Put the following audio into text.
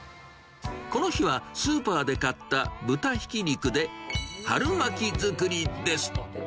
この日は、スーパーで買った豚ひき肉で春巻き作りです。